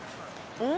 うん？